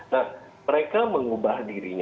nah mereka mengubah diri